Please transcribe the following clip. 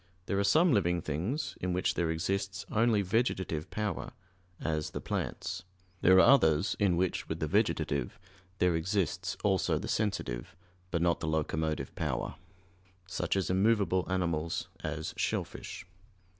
There are some living things in which there exists only vegetative power, as the plants. There are others in which with the vegetative there exists also the sensitive, but not the locomotive power; such as immovable animals, as shellfish.